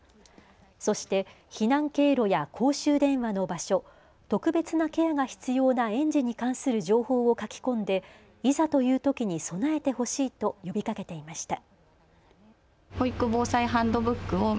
そして避難経路や公衆電話の場所、特別なケアが必要な園児に関する情報を書き込んでいざというときに備えてほしいと呼びかけていました。